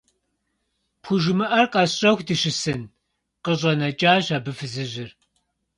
ПхужымыӀэр къэсщӀэху дыщысын? – къыщӀэнэкӀащ абы фызыжьыр.